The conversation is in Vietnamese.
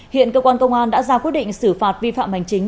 hiện cơ quan công an đã ra quyết định xử phạt vi phạm hành chính